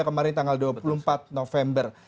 kemarin tanggal dua puluh empat november